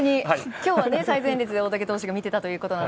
今日は大竹投手が見ていたということで。